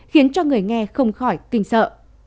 khiến cho người nghe không khỏi kinh sợ